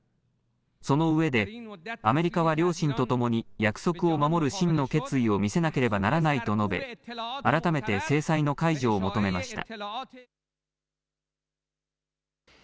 そのうえでアメリカは良心とともに約束を守る真の決意を見せなければならないと述べ改めて制裁の解除を求めました。